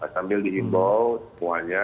sambil di himbau semuanya